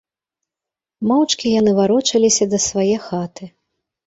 Моўчкі яны варочаліся да свае хаты.